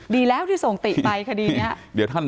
ดีแล้วที่ส่งติไปคดีนี้